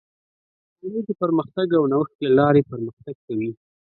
نړۍ د پرمختګ او نوښت له لارې پرمختګ کوي.